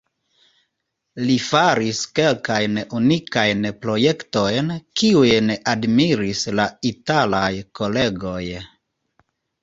Li faris kelkajn unikajn projektojn, kiujn admiris la italaj kolegoj.